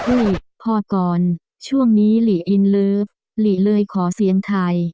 พ่อก่อนช่วงนี้หลีอินเลิฟหลีเลยขอเสียงไทย